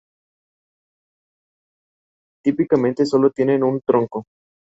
Sus presentadores fueron Pepe Abad y Justo Camacho Larriva.